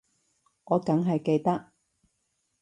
我梗係記得